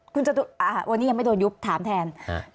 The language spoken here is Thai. คุณจะโดนอ่าวันนี้ยังไม่โดนยุบถามแทน